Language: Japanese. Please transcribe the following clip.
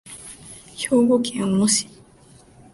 兵庫県小野市